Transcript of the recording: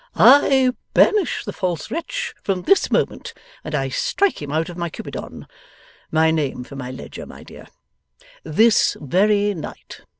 'I banish the false wretch from this moment, and I strike him out of my Cupidon (my name for my Ledger, my dear,) this very night.